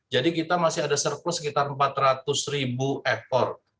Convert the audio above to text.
jadi kita masih ada surplus sekitar empat ratus ribu ekor